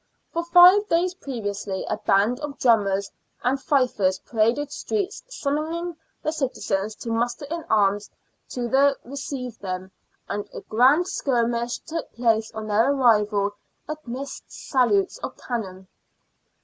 For five days previously a band of drummers and fifers paraded streets, summoning the citizens to muster in arms to the receive them, and a grand " skirmish " took place on their arrival amidst salutes of cannon.